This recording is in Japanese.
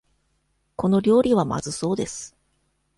この料理はまずそうです。